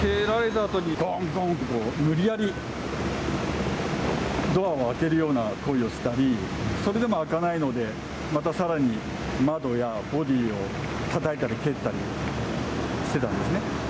蹴られたあとにごんごんと、無理やり、ドアを開けるような行為をしたり、それでも開かないので、またさらに、窓やボディーをたたいたり蹴ったりしてたんですね。